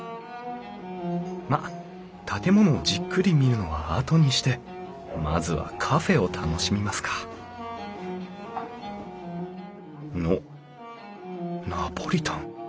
まっ建物をじっくり見るのはあとにしてまずはカフェを楽しみますかおっナポリタン。